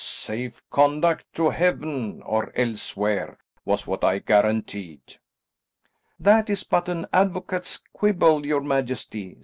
Safe conduct to Heaven, or elsewhere, was what I guaranteed." "That is but an advocate's quibble, your majesty.